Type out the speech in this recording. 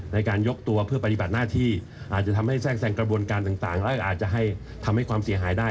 ในการยกตัวเพื่อปฏิบัติหน้าที่อาจจะทำให้แทรกแทรงกระบวนการต่างแล้วก็อาจจะให้ทำให้ความเสียหายได้